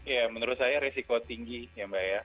ya menurut saya risiko tinggi ya mbak ya